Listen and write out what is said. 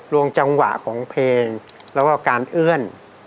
วงจังหวะของเพลงแล้วก็การเอื้อน